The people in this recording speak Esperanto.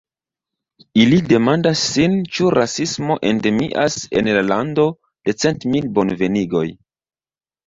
Ili demandas sin, ĉu rasismo endemias en la lando de cent mil bonvenigoj.